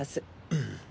うん。